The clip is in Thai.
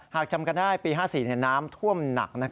จำกันได้ปี๕๔น้ำท่วมหนัก